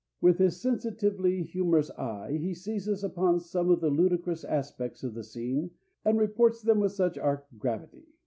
With his sensitively humorous eye he seizes upon some of the ludicrous aspects of the scene and reports them with arch gravity.